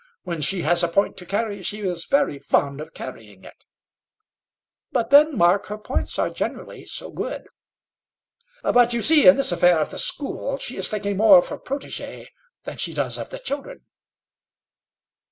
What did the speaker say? When she has a point to carry, she is very fond of carrying it." "But then, Mark, her points are generally so good." "But, you see, in this affair of the school she is thinking more of her protégée than she does of the children."